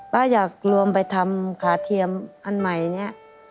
อยากรวมไปทำขาเทียมอันใหม่เนี่ย